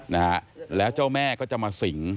นะฮะแล้วเจ้าแม่ก็จะมาสิง